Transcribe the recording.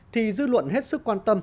thì dư luận hết sức quan tâm